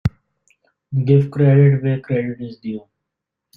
Give credit where credit is due.